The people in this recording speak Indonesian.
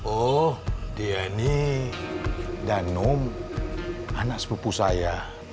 oh dia ini danum anak sepupu saya